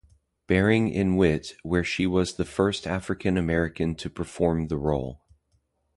Bearing in Wit, where she was the first African American to perform the role.